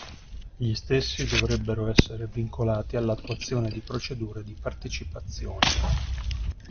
Gli stessi dovrebbero essere vincolati all'attuazione di procedure di partecipazione.